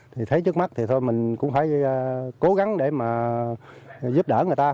thì thấy trước mắt thì thôi mình cũng phải cố gắng để mà giúp đỡ người ta